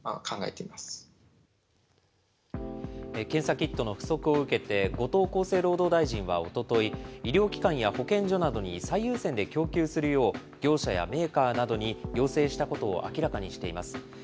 検査キットの不足を受けて、後藤厚生労働大臣はおととい、医療機関や保健所などに最優先で供給するよう、業者やメーカーなどに要請したことを明らかにしています。